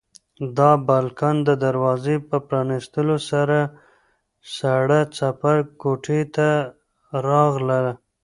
د بالکن د دروازې په پرانیستلو سره سړه څپه کوټې ته راغله.